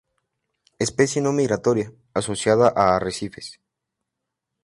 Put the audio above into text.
Especie no migratoria, asociada a arrecifes.